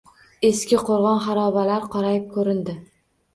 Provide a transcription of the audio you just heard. Eski qo‘rg‘on xarobalari qorayib ko‘rindi.